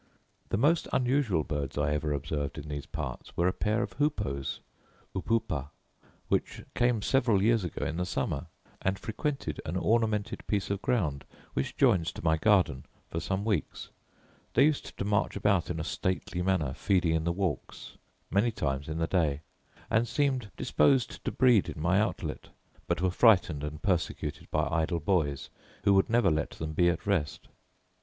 The most unusual birds I ever observed in these parts were a pair of hoopoes (upupa) which came several years ago in the summer, and frequented an ornamented piece of ground, which joins to my garden, for some weeks. They used to march about in a stately manner, feeding in the walks, many times in the day; and seemed disposed to breed in my outlet; but were frightened and persecuted by idle boys, who would never let them be at rest.